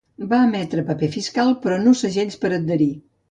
Va emetre paper fiscal però no segells per adherir.